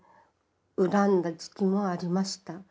恨んだ時期もありました。